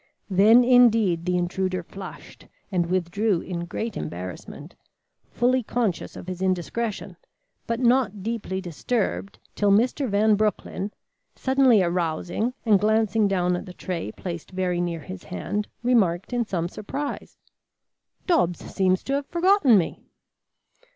Then indeed the intruder flushed and withdrew in great embarrassment, fully conscious of his indiscretion but not deeply disturbed till Mr. Van Broecklyn, suddenly arousing and glancing down at the tray placed very near his hand, remarked in some surprise: "Dobbs seems to have forgotten me."